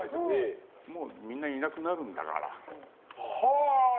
もうみんないなくなるんだから。